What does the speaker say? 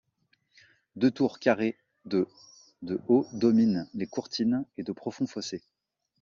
Deux tours carrées de de haut dominent les courtines et de profonds fossés.